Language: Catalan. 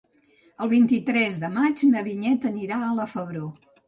El vint-i-tres de maig na Vinyet anirà a la Febró.